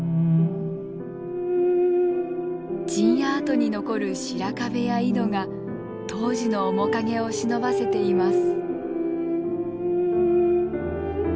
陣屋跡に残る白壁や井戸が当時の面影をしのばせています。